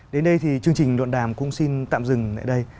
đến đây thì chương trình luận đàm cũng xin tạm dừng lại đây